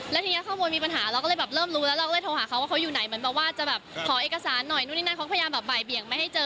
แล้วทีนี้ข้างบนมีปัญหาเราก็เลยแบบเริ่มรู้แล้วเราก็เลยโทรหาเขาว่าเขาอยู่ไหนเหมือนแบบว่าจะแบบขอเอกสารหน่อยนู่นนี่นั่นเขาพยายามแบบบ่ายเบี่ยงไม่ให้เจอ